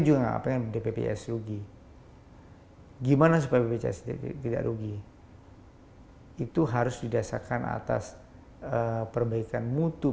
dengar apa yang bpjs rugi gimana supaya bpjs tidak rugi itu harus didasarkan atas perbaikan mutu